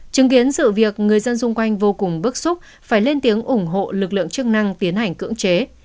chứng kiến sự việc người dân xung quanh vô cùng bức xúc phải lên tiếng ủng hộ lực lượng chức năng tiến hành cưỡng chế